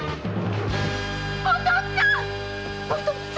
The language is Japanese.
お父っつぁん！